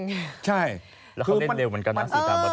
แล้วเขาเล่นเร็วเหมือนกันนะสื่อตามประเทศ